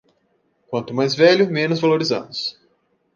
Quanto mais velho, menos valorizamos.